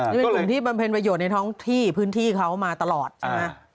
นี่เป็นกลุ่มที่บำเพ็ญประโยชน์ในท้องที่พื้นที่เขามาตลอดใช่ไหม